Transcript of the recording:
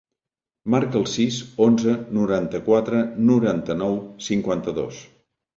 Marca el sis, onze, noranta-quatre, noranta-nou, cinquanta-dos.